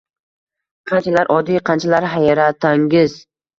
Qanchalar oddiy, qanchalar hayratangiz!